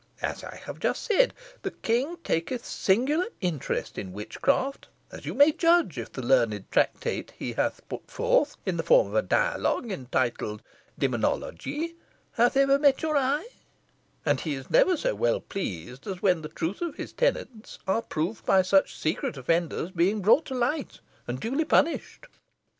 As I have just said, the king taketh singular interest in witchcraft, as you may judge if the learned tractate he hath put forth, in form of a dialogue, intituled "Dæmonologie" hath ever met your eye; and he is never so well pleased as when the truth of his tenets are proved by such secret offenders being brought to light, and duly punished."